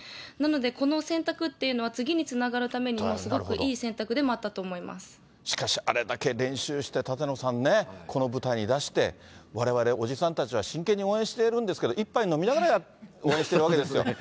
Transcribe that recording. なのでこの選択っていうのは次につながるためにも、すごくいい選しかし、あれだけ練習して、舘野さんね、この舞台に出して、われわれ、おじさんたちは真剣に応援しているんですけど、一杯飲みながら応援しているわけですよ。